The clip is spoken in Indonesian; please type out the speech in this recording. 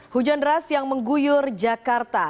hujan deras yang mengguyur jakarta